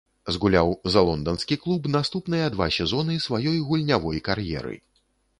Згуляў за лонданскі клуб наступныя два сезоны сваёй гульнявой кар'еры.